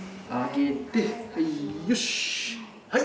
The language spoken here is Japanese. はい。